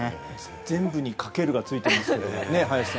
全部にかけるがついてますけど。